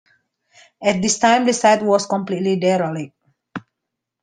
At this time the site was completely derelict.